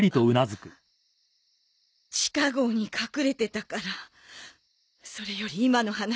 地下壕に隠れてたからそれより今の話